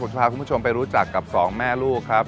พาคุณผู้ชมไปรู้จักกับสองแม่ลูกครับ